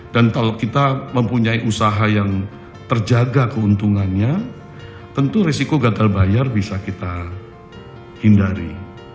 dan kalau kita mempunyai usaha yang terjaga keuntungannya tentu risiko gagal bayar bisa kita hindari